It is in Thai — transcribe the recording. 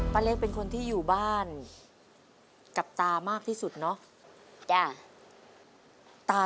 เล็กเป็นคนที่อยู่บ้านกับตามากที่สุดเนาะ